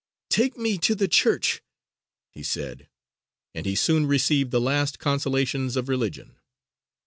"Take me to the church," he said; and he soon received the last consolations of religion.